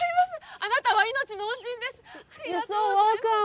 あなたは命の恩人です！